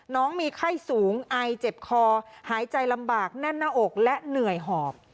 น้องมีไข้สูงไอเจ็บคอหายใจลำบากแน่นหน้าอกและเหนื่อยหอบ